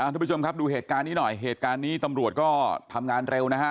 ทุกผู้ชมครับดูเหตุการณ์นี้หน่อยเหตุการณ์นี้ตำรวจก็ทำงานเร็วนะฮะ